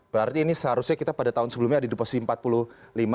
berarti ini seharusnya kita pada tahun sebelumnya ada di posisi empat puluh lima